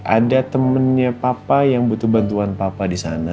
ada temennya papa yang butuh bantuan papa disana